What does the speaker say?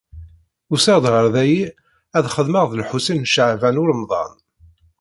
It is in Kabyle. Usiɣ-d ɣer dayi ad xedmeɣ d Lḥusin n Caɛban u Ṛemḍan.